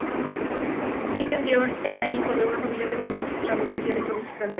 Christian Dior era hijo de una familia de la burguesía de provincias francesa.